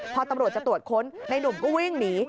พอตำรวจจะตรวจค้นในหนุ่มก็วิ่งหนี